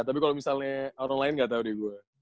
tapi kalo misalnya orang lain gak tau deh gue